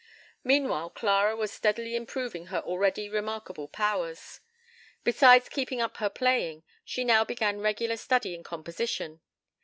Meanwhile Clara was steadily improving her already remarkable powers. Besides keeping up her playing, she now began regular study in composition.